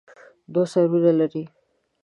دوه سرونه لري.